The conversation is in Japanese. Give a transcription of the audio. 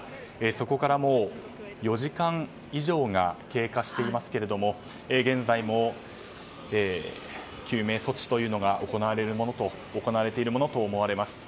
そこからもう４時間以上が経過していますけれども現在も救命措置が行われているものと思われます。